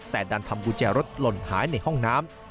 แต่ดันทำกุญแจรถหล่นหายในห้องน้ำ